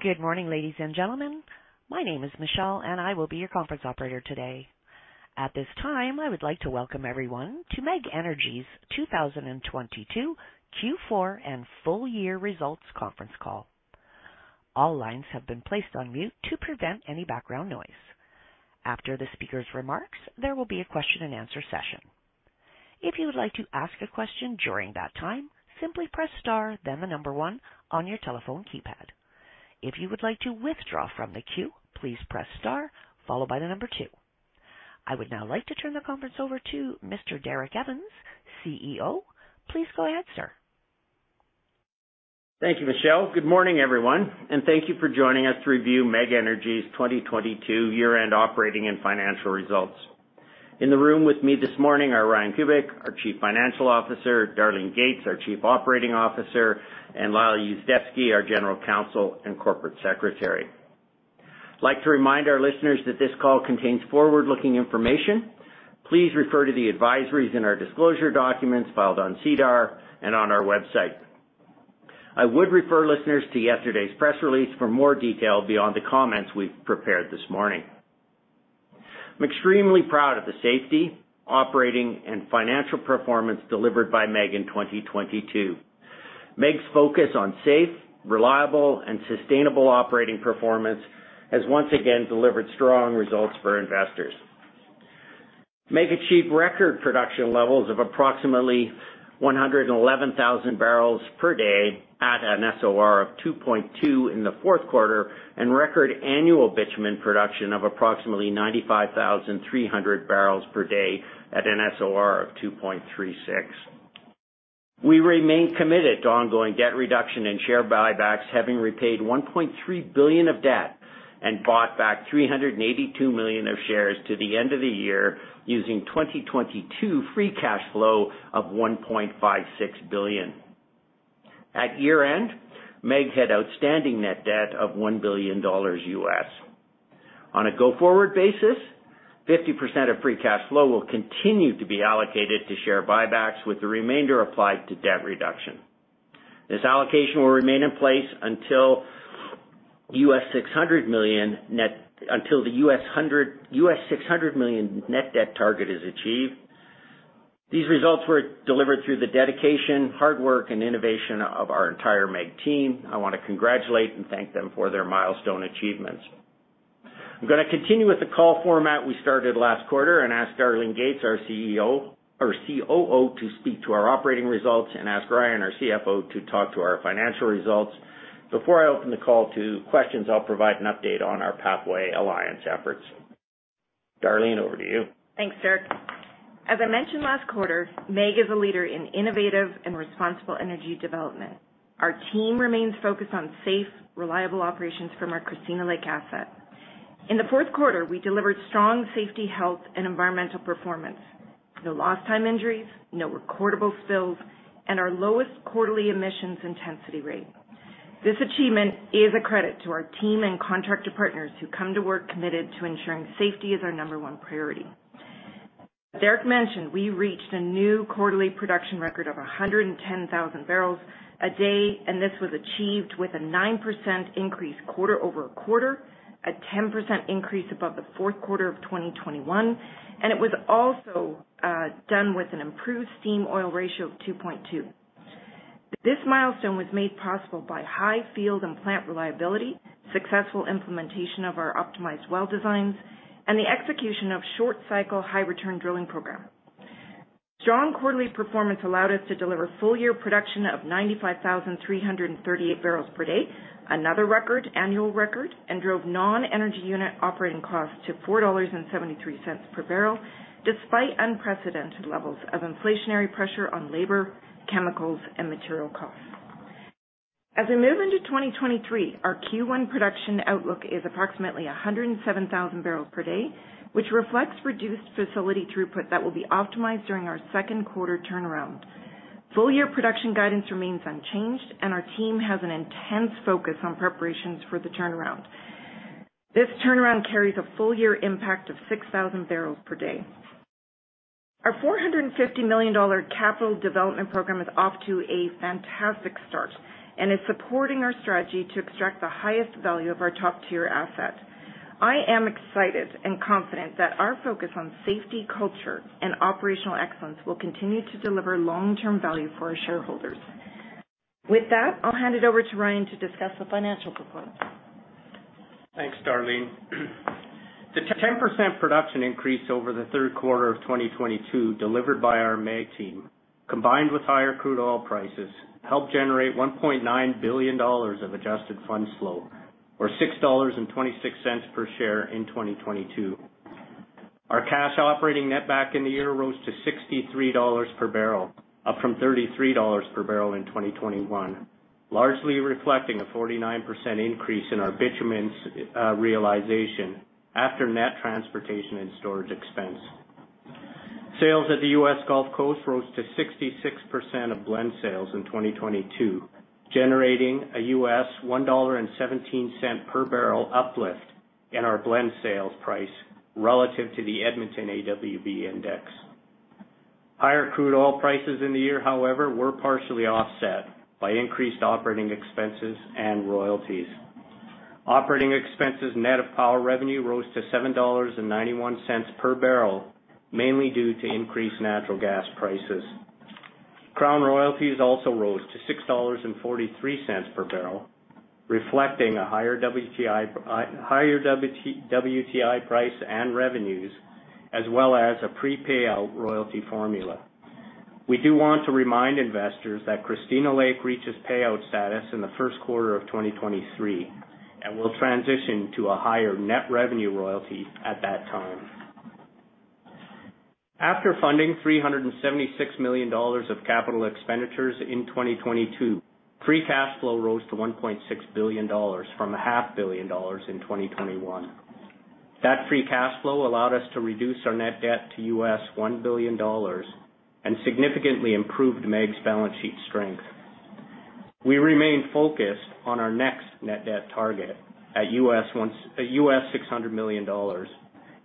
Good morning, ladies and gentlemen. My name is Michelle, and I will be your conference operator today. At this time, I would like to welcome everyone to MEG Energy's 2022 Q4 and full year results conference call. All lines have been placed on mute to prevent any background noise. After the speaker's remarks, there will be a Q&A session. If you would like to ask a question during that time, simply press star then one on your telephone keypad. If you would like to withdraw from the queue, please press star followed by two. I would now like to turn the conference over to Mr. Derek Evans, CEO. Please go ahead, sir. Thank you, Michelle. Good morning, everyone. Thank you for joining us to review MEG Energy's 2022 year-end operating and financial results. In the room with me this morning are Ryan Kubik, our Chief Financial Officer, Darlene Gates, our Chief Operating Officer, and Lyle Yuzdepski, our general counsel and corporate secretary. I'd like to remind our listeners that this call contains forward-looking information. Please refer to the advisories in our disclosure documents filed on SEDAR and on our website. I would refer listeners to yesterday's press release for more detail beyond the comments we've prepared this morning. I'm extremely proud of the safety, operating, and financial performance delivered by MEG in 2022. MEG's focus on safe, reliable, and sustainable operating performance has once again delivered strong results for investors. MEG achieved record production levels of approximately 111,000 barrels per day at an SOR of 2.2 in the Q4 and record annual bitumen production of approximately 95,300 barrels per day at an SOR of 2.36. We remain committed to ongoing debt reduction and share buybacks, having repaid $1.3 billion of debt and bought back $382 million of shares to the end of the year, using 2022 free cash flow of $1.56 billion. At year-end, MEG had outstanding net debt of $1 billion dollars U.S. On a go-forward basis, 50% of free cash flow will continue to be allocated to share buybacks, with the remainder applied to debt reduction. This allocation will remain in place until U.S. $600 million. $600 million net debt target is achieved. These results were delivered through the dedication, hard work, and innovation of our entire MEG team. I want to congratulate and thank them for their milestone achievements. I am going to continue with the call format we started last quarter and ask Darlene Gates, our COO, to speak to our operating results and ask Ryan, our CFO, to talk to our financial results. Before I open the call to questions, I will provide an update on our Pathways Alliance efforts. Darlene, over to you. Thanks, Derek. As I mentioned last quarter, MEG is a leader in innovative and responsible energy development. Our team remains focused on safe, reliable operations from our Christina Lake asset. In the Q4, we delivered strong safety, health, and environmental performance, no lost time injuries, no recordable spills, and our lowest quarterly emissions intensity rate. This achievement is a credit to our team and contractor partners who come to work committed to ensuring safety is our number one priority. Derek mentioned we reached a new quarterly production record of 110,000 barrels a day, and this was achieved with a 9% increase quarter-over-quarter, a 10% increase above the Q4 of 2021, and it was also done with an improved steam oil ratio of 2.2. This milestone was made possible by high field and plant reliability, successful implementation of our optimized well designs, and the execution of short-cycle, high-return drilling program. Strong quarterly performance allowed us to deliver full-year production of 95,338 barrels per day, annual record, and drove non-energy unit operating costs to $4.73 per barrel despite unprecedented levels of inflationary pressure on labor, chemicals, and material costs. We move into 2023, our Q1 production outlook is approximately 107,000 barrels per day, which reflects reduced facility throughput that will be optimized during our Q2 turnaround. Full-year production guidance remains unchanged. Our team has an intense focus on preparations for the turnaround. This turnaround carries a full-year impact of 6,000 barrels per day. Our $450 million capital development program is off to a fantastic start and is supporting our strategy to extract the highest value of our top-tier asset. I am excited and confident that our focus on safety, culture, and operational excellence will continue to deliver long-term value for our shareholders. With that, I'll hand it over to Ryan to discuss the financial performance. Thanks, Darlene. The 10% production increase over the Q3 of 2022 delivered by our MEG team, combined with higher crude oil prices, helped generate 1.9 billion dollars of adjusted funds flow or $6.26 per share in 2022. Our cash operating netback in the year rose to $63 per barrel, up from $33 per barrel in 2021, largely reflecting a 49% increase in our bitumen's realization after net transportation and storage expense. Sales at the U.S. Gulf Coast rose to 66% of blend sales in 2022, generating a $1.17 per barrel uplift in our blend sales price relative to the Edmonton AWB index. Higher crude oil prices in the year, however, were partially offset by increased operating expenses and royalties. Operating expenses, net of power revenue, rose to $7.91 per barrel, mainly due to increased natural gas prices. Crown royalties also rose to $6.43 per barrel, reflecting a higher WTI price and revenues, as well as a pre-payout royalty formula. We do want to remind investors that Christina Lake reaches payout status in the Q1 of 2023 and will transition to a higher net revenue royalty at that time. After funding $376 million of capital expenditures in 2022, free cash flow rose to $1.6 billion from a half billion dollars in 2021. That free cash flow allowed us to reduce our net debt to $1 billion and significantly improved MEG's balance sheet strength. We remain focused on our next net debt target at $600 million,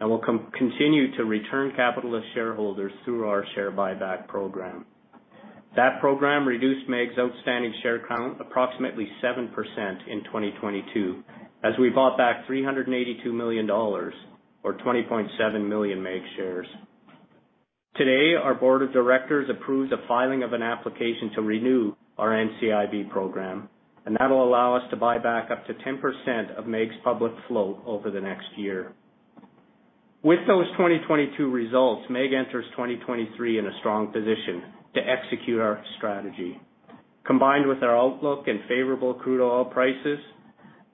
and we'll continue to return capital to shareholders through our share buyback program. That program reduced MEG's outstanding share count approximately 7% in 2022 as we bought back $382 million or 20.7 million MEG shares. Today, our board of directors approved the filing of an application to renew our NCIB program. That'll allow us to buy back up to 10% of MEG's public float over the next year. With those 2022 results, MEG enters 2023 in a strong position to execute our strategy. Combined with our outlook and favorable crude oil prices,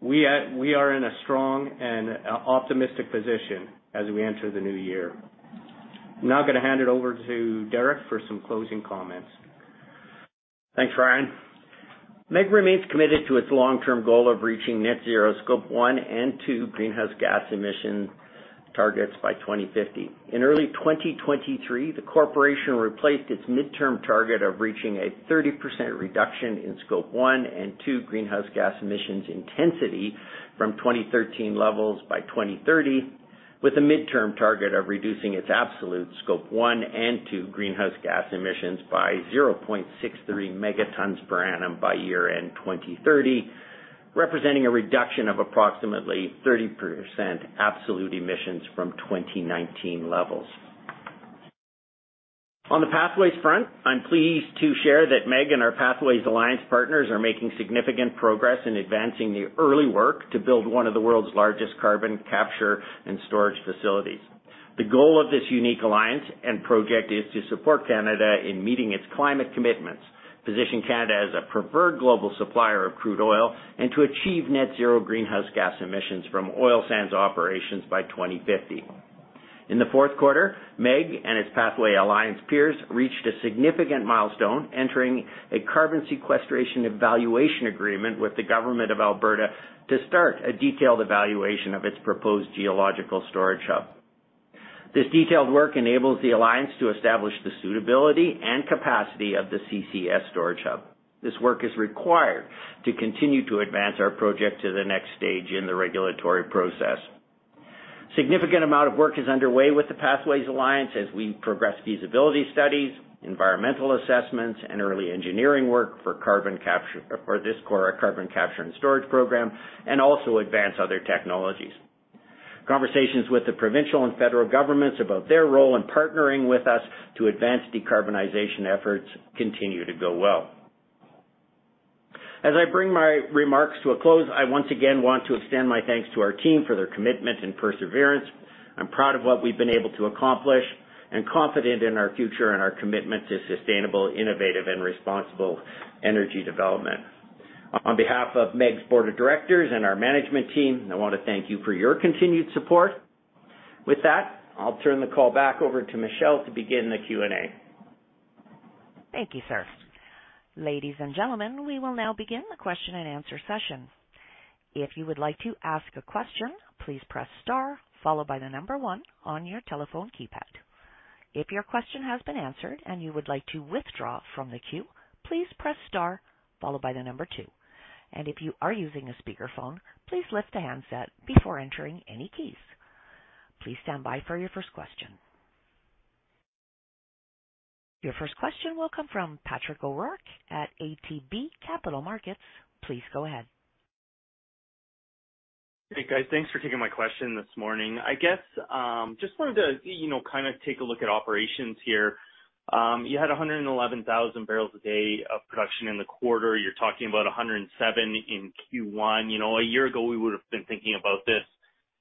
we are in a strong and optimistic position as we enter the new year. I'm now gonna hand it over to Derek for some closing comments. Thanks, Ryan. MEG remains committed to its long-term goal of reaching net zero Scope 1 and Scope 2 greenhouse gas emission targets by 2050. In early 2023, the corporation replaced its midterm target of reaching a 30% reduction in Scope 1 and Scope 2 greenhouse gas emissions intensity from 2013 levels by 2030, with a midterm target of reducing its absolute Scope 1 and Scope 2 greenhouse gas emissions by 0.63 megatons per annum by year-end 2030, representing a reduction of approximately 30% absolute emissions from 2019 levels. On the Pathways Alliance front, I'm pleased to share that MEG and our Pathways Alliance partners are making significant progress in advancing the early work to build one of the world's largest carbon capture and storage facilities. The goal of this unique alliance and project is to support Canada in meeting its climate commitments, position Canada as a preferred global supplier of crude oil, and to achieve net zero greenhouse gas emissions from oil sands operations by 2050. In the Q4, MEG and its Pathways Alliance peers reached a significant milestone, entering a Carbon Sequestration Evaluation Agreement with the Government of Alberta to start a detailed evaluation of its proposed geological storage hub. This detailed work enables the alliance to establish the suitability and capacity of the CCS storage hub. This work is required to continue to advance our project to the next stage in the regulatory process. Significant amount of work is underway with the Pathways Alliance as we progress feasibility studies, environmental assessments, and early engineering work for this core, our carbon capture and storage program, and also advance other technologies. Conversations with the provincial and federal governments about their role in partnering with us to advance decarbonization efforts continue to go well. As I bring my remarks to a close, I once again want to extend my thanks to our team for their commitment and perseverance. I'm proud of what we've been able to accomplish and confident in our future and our commitment to sustainable, innovative, and responsible energy development. On behalf of MEG's board of directors and our management team, I wanna thank you for your continued support. With that, I'll turn the call back over to Michelle to begin the Q&A. Thank you, sir. Ladies and gentlemen, we will now begin the Q&A session. If you would like to ask a question, please press star followed by one on your telephone keypad. If your question has been answered and you would like to withdraw from the queue, please press star followed by two. If you are using a speakerphone, please lift the handset before entering any keys. Please stand by for your first question. Your first question will come from Patrick O'Rourke at ATB Capital Markets. Please go ahead. Hey, guys. Thanks for taking my question this morning. I guess, just wanted to, you know, kind of take a look at operations here. You had 111,000 barrels a day of production in the quarter. You're talking about 107 in Q1. You know, a year ago, we would've been thinking about this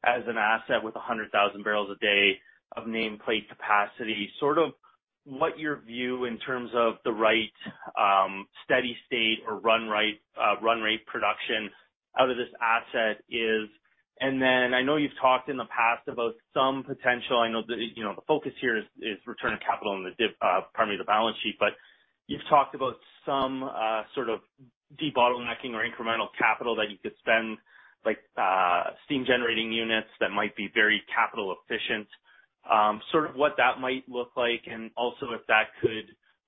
as an asset with 100,000 barrels a day of nameplate capacity. Sort of what your view in terms of the right, steady state or run rate, run rate production out of this asset is? I know you've talked in the past about some potential. I know the, you know, the focus here is return of capital on the balance sheet. You've talked about some, sort of debottlenecking or incremental capital that you could spend, like, steam generating units that might be very capital efficient, sort of what that might look like and also if that could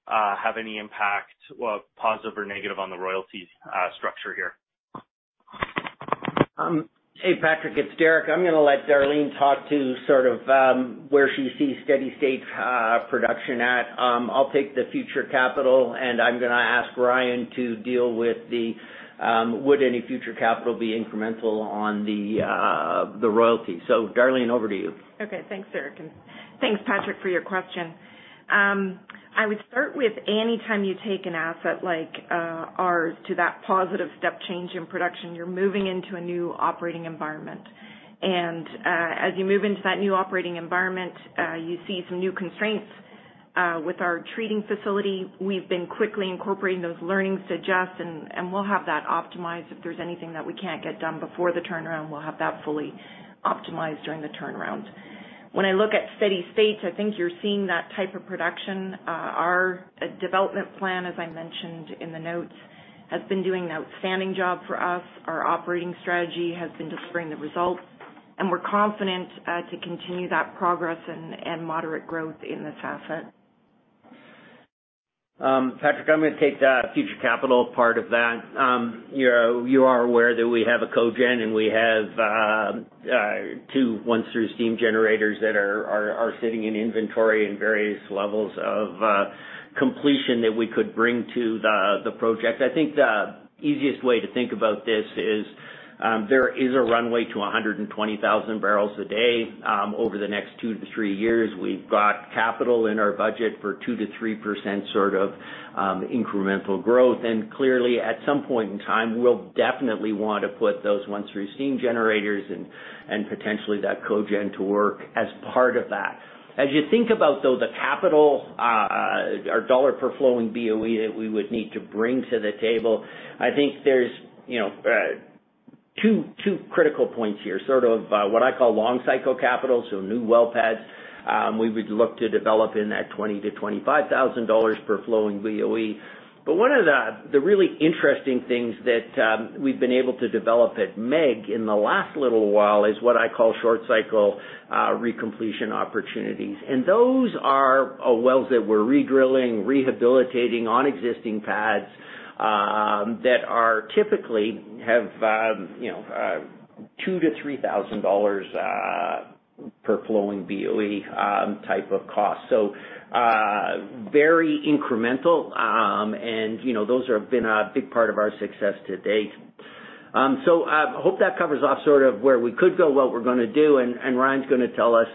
have any impact, well, positive or negative on the royalties, structure here. Hey, Patrick, it's Derek. I'm gonna let Darlene talk to sort of, where she sees steady state, production at. I'll take the future capital, and I'm gonna ask Ryan to deal with the, would any future capital be incremental on the royalty? Darlene, over to you. Okay. Thanks, Derek, and thanks, Patrick, for your question. I would start with any time you take an asset like ours to that positive step change in production, you're moving into a new operating environment. As you move into that new operating environment, you see some new constraints. With our treating facility, we've been quickly incorporating those learnings to adjust, and we'll have that optimized. If there's anything that we can't get done before the turnaround, we'll have that fully optimized during the turnaround. When I look at steady state, I think you're seeing that type of production. Our development plan, as I mentioned in the notes, has been doing an outstanding job for us. Our operating strategy has been delivering the results, and we're confident to continue that progress and moderate growth in this asset. Patrick, I'm gonna take the future capital part of that. You are aware that we have a cogen and we have two once-through steam generators that are sitting in inventory in various levels of completion that we could bring to the project. I think the easiest way to think about this is there is a runway to 120,000 barrels a day over the next two to three years. We've got capital in our budget for 2%-3% sort of incremental growth. Clearly, at some point in time, we'll definitely want to put those once-through steam generators and potentially that cogen to work as part of that. As you think about, though, the capital, or dollar per flowing BOE that we would need to bring to the table, I think there's, you know, two critical points here. Sort of, what I call long cycle capital, so new well pads, we would look to develop in that $20,000-$25,000 per flowing BOE. One of the really interesting things that, we've been able to develop at MEG in the last little while is what I call short cycle, recompletion opportunities. Those are wells that we're re-drilling, rehabilitating on existing pads, that are typically have, you know, $2,000-$3,000 per flowing BOE, type of cost. Very incremental, and, you know, those have been a big part of our success to date. Hope that covers off sort of where we could go, what we're gonna do, and Ryan's gonna tell us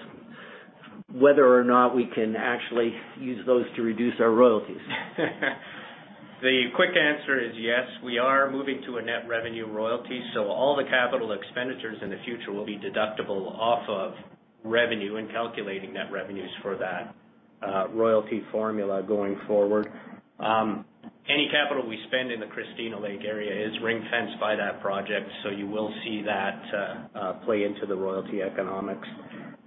whether or not we can actually use those to reduce our royalties. The quick answer is yes, we are moving to a net revenue royalty, so all the capital expenditures in the future will be deductible off of revenue and calculating net revenues for that royalty formula going forward. Any capital we spend in the Christina Lake area is ring-fenced by that project, so you will see that play into the royalty economics.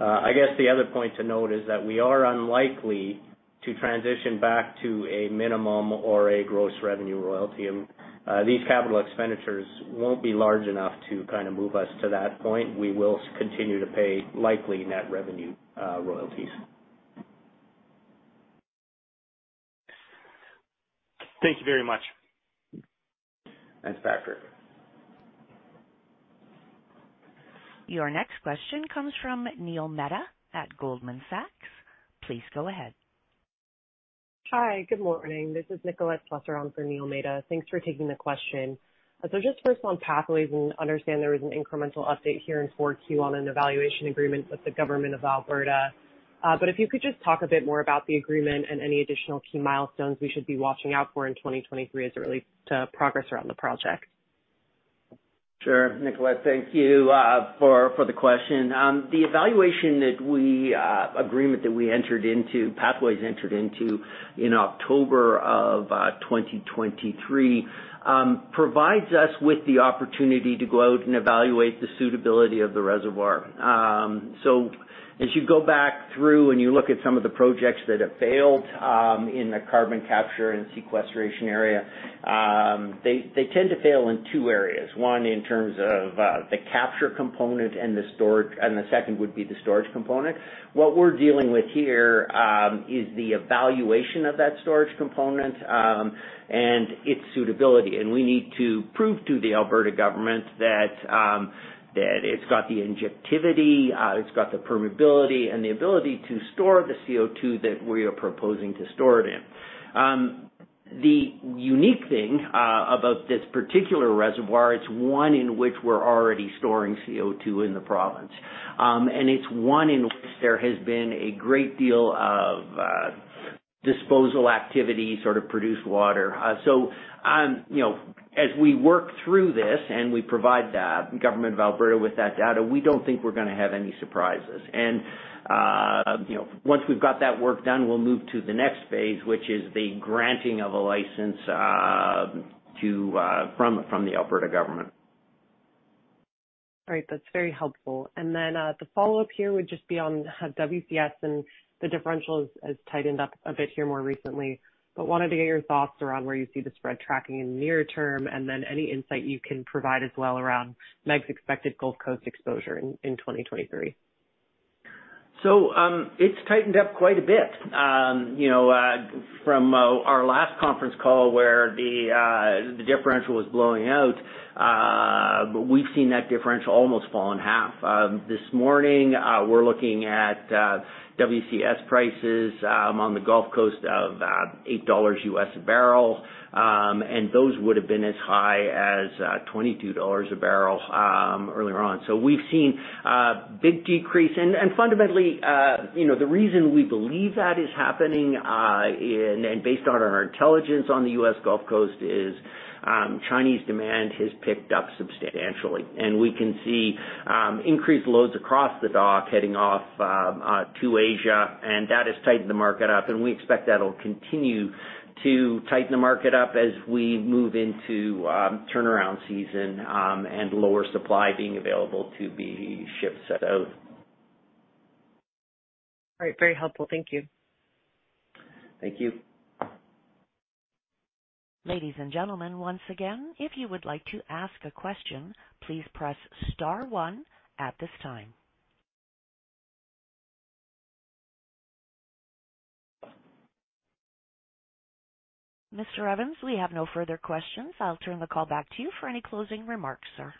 I guess the other point to note is that we are unlikely to transition back to a minimum or a gross revenue royalty. These capital expenditures won't be large enough to kinda move us to that point. We will continue to pay likely net revenue royalties. Thank you very much. Thanks, Patrick. Your next question comes from Neil Mehta at Goldman Sachs. Please go ahead. Hi. Good morning. This is Nicolette Slusser around for Neil Mehta. Thanks for taking the question. Just first on Pathways, and understand there was an incremental update here in 4Q on an Evaluation Agreement with the Government of Alberta. If you could just talk a bit more about the agreement and any additional key milestones we should be watching out for in 2023 as it relates to progress around the project. Sure, Nicolette. Thank you, for the question. The agreement that we entered into, Pathways entered into in October of 2023, provides us with the opportunity to go out and evaluate the suitability of the reservoir. As you go back through and you look at some of the projects that have failed, in the carbon capture and sequestration area, they tend to fail in two areas. One, in terms of the capture component and the storage, and the second would be the storage component. What we're dealing with here, is the evaluation of that storage component, and its suitability. We need to prove to the Alberta Government that it's got the injectivity, it's got the permeability and the ability to store the CO2 that we are proposing to store it in. The unique thing about this particular reservoir, it's one in which we're already storing CO2 in the province. It's one in which there has been a great deal of disposal activity, sort of produced water. You know, as we work through this and we provide the Government of Alberta with that data, we don't think we're gonna have any surprises. You know, once we've got that work done, we'll move to the next phase, which is the granting of a license to from the Alberta Government. All right. That's very helpful. The follow-up here would just be on WCS, and the differential has tightened up a bit here more recently. Wanted to get your thoughts around where you see the spread tracking in the near term, and then any insight you can provide as well around MEG's expected Gulf Coast exposure in 2023. It's tightened up quite a bit. You know, from our last conference call where the differential was blowing out, we've seen that differential almost fall in half. This morning, we're looking at WCS prices on the Gulf Coast of $8 U.S. a barrel, and those would have been as high as $22 a barrel earlier on. We've seen a big decrease and fundamentally, you know, the reason we believe that is happening, and based on our intelligence on the U.S. Gulf Coast is, Chinese demand has picked up substantially. We can see increased loads across the dock heading off to Asia, and that has tightened the market up, and we expect that'll continue to tighten the market up as we move into turnaround season and lower supply being available to be shipped set out. All right. Very helpful. Thank you. Thank you. Ladies and gentlemen, once again, if you would like to ask a question, please press star one at this time. Mr. Evans, we have no further questions. I'll turn the call back to you for any closing remarks, sir.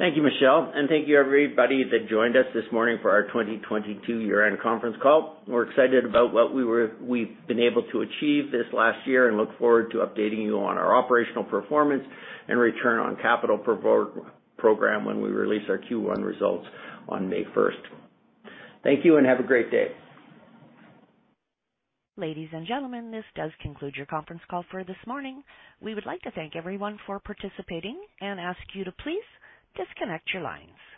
Thank you, Michelle. Thank you, everybody that joined us this morning for our 2022 year-end conference call. We're excited about what we've been able to achieve this last year and look forward to updating you on our operational performance and return on capital program when we release our Q1 results on May first. Thank you and have a great day. Ladies and gentlemen, this does conclude your conference call for this morning. We would like to thank everyone for participating and ask you to please disconnect your lines.